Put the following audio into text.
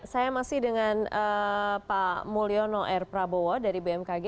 saya masih dengan pak mulyono r prabowo dari bmkg